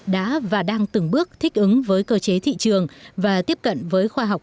đã và đang từng bước thích ứng với cơ chế thị trường và tiếp cận với khoa học